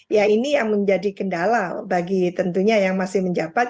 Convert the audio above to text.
ya ini yang menjadi kendala bagi tentunya yang masih menjabat